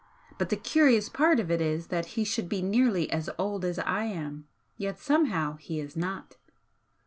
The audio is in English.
But the curious part of it is that he should be nearly as old as I am, yet somehow he is not!"